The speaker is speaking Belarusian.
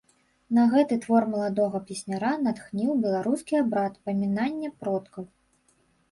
На гэты твор маладога песняра натхніў беларускі абрад памінання продкаў.